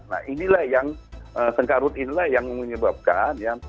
nah ini lah yang mengunyabakan